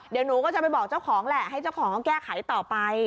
เดี๋ยวหนูก็จะไปบอกเจ้าของแหละให้เจ้าของเขาแก้ไขต่อไป